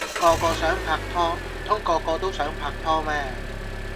個個想拍拖，唔通個個都想拍拖咩